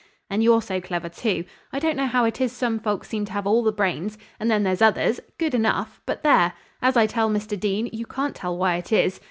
And you're so clever too. I don't know how it is some folks seem to have all the brains, and then there's others good enough but there! As I tell Mr. Dean, you can't tell why it is.